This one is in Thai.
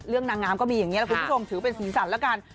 นางงามก็มีอย่างนี้แหละคุณผู้ชมถือเป็นสีสันแล้วกัน